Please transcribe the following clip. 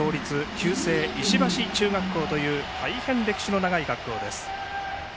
旧制石橋中学校という大変歴史の長い学校です。